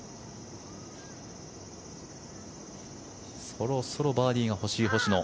そろそろバーディーが欲しい星野。